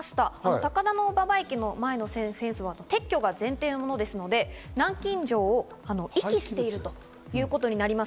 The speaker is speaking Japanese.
高田馬場駅の前のフェンスは撤去が前提のものですので、南京錠を遺棄しているということになります。